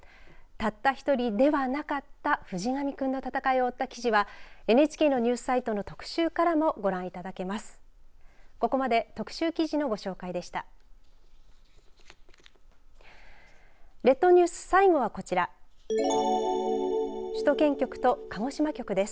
たった１人ではなかった藤上君の闘いを追った記事はＮＨＫのニュースサイトの特集からもご覧いただけます。